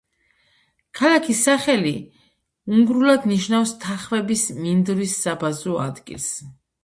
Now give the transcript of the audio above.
ქალაქის სახელი უნგრულად ნიშნავს „თახვების მინდვრის საბაზრო ადგილს“.